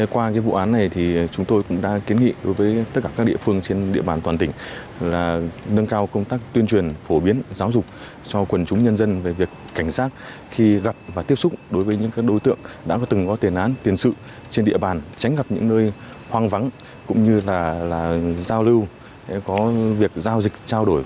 qua cái vụ án này thì chúng tôi cũng đã kiến nghị đối với tất cả các địa phương trên địa bàn toàn tỉnh là nâng cao công tác tuyên truyền phổ biến giáo dục cho quần chúng nhân dân về việc cảnh sát khi gặp và tiếp xúc đối với những đối tượng đã có từng có tiền án tiền sự trên địa bàn tránh gặp những nơi hoang vắng cũng như là giao lưu có việc giao dịch trao đổi